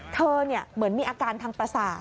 เหมือนมีอาการทางประสาท